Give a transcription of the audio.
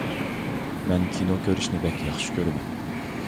مەن كىنو كۆرۈشنى بەك ياخشى كۆرىمەن.